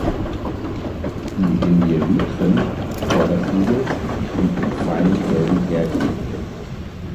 Die Hemielytren (Vorderflügel) sind mit feinen gelben Härchen bedeckt.